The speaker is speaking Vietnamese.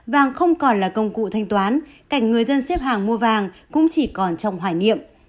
vàng không còn là công cụ thanh toán cảnh người dân xếp hàng mua vàng cũng chỉ còn trong hoài niệm